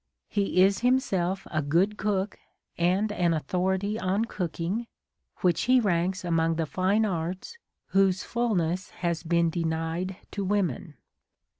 He is himself a good cook and an authority on cooking, which he ranks among the fine arts whose fulness has been denied to women.